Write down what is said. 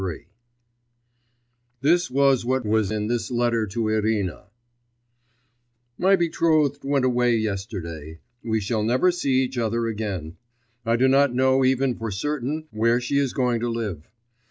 XXIII This was what was in this letter to Irina: 'My betrothed went away yesterday; we shall never see each other again.... I do not know even for certain where she is going to live.